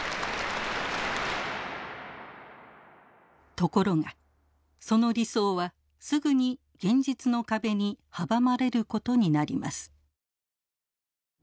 ところがその理想はすぐに現実の壁に阻まれることになります。